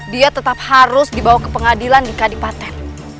dia tetap harus dibawa ke pengadilan di kadipaten